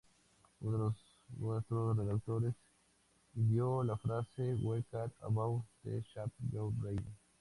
Uno de nuestros redactores ideó la frase: "We care about the shape you're in".